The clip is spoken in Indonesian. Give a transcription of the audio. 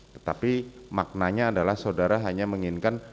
tetapi maknanya adalah saudara hanya menginginkan